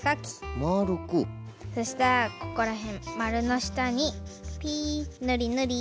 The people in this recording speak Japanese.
そしたらここらへんまるのしたにピぬりぬり。